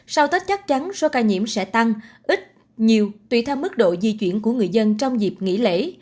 sau tết chắc chắn số ca nhiễm sẽ tăng ít nhiều tùy theo mức độ di chuyển của người dân trong dịp nghỉ lễ